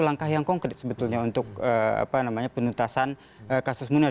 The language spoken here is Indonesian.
langkah yang konkret sebetulnya untuk penuntasan kasus munir